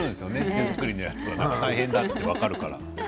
手作りは大変だって分かるから。